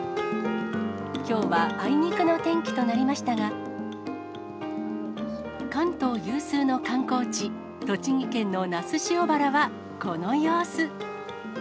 きょうはあいにくの天気となりましたが、関東有数の観光地、栃木県の那須塩原は、この様子。